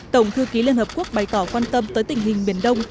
tổng thư ký liên hợp quốc bày tỏ quan tâm tới tình hình biển đông